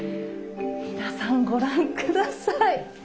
皆さんご覧下さい。